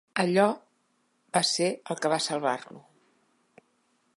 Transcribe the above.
Allò va ser el que va salvar-lo.